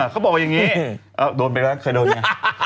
เขาบอกว่าอย่างนี้โดนไปแล้วเคยโดนไง